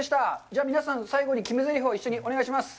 では、皆さん、最後に決めぜりふを一緒にお願いします。